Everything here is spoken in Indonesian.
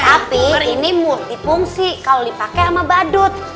tapi ini multi fungsi kalau dipake sama badut